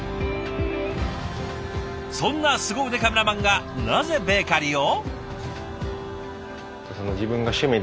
そんなスゴ腕カメラマンがなぜベーカリーを？